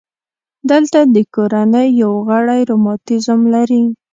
دلته د کورنۍ یو غړی رماتیزم لري.